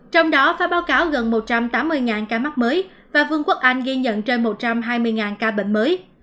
trong đó phải báo cáo gần một trăm tám mươi ca mắc mới và vương quốc anh ghi nhận trên một trăm hai mươi ca bệnh mới